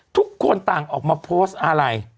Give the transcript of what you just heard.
ทุกคนต่างออกมาโพสต์อะไร